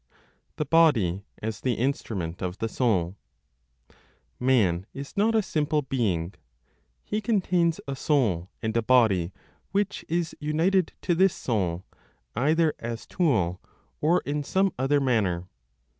THE BODY AS THE INSTRUMENT OF THE SOUL. Man is not a simple being; he contains a soul and a body, which is united to this soul, either as tool, or in some other manner.